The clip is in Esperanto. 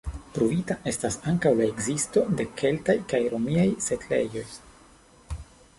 Pruvita estas ankaŭ la ekzisto de keltaj kaj romiaj setlejoj.